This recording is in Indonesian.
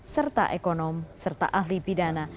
serta ekonom serta ahli pidana